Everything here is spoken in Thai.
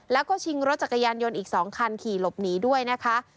แล้วก็ชิงรถจักรยานยนต์อีก๒คันขี่หลบหนีด้วยนะคะ